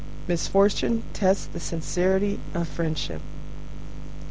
Misfortune tests the sincerity of friendship.